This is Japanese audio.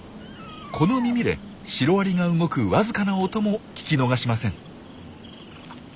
この耳でシロアリが動くわずかな音も聞き逃しません。